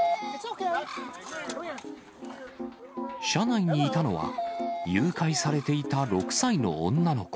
車内にいたのは、誘拐されていた６歳の女の子。